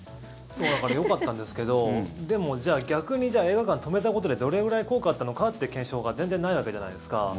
だからよかったんですけどでも、じゃあ逆に映画館止めたことでどれぐらい効果あったのかって検証がもういいじゃないですか。